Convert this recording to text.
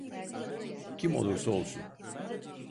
Kim olursa olsun.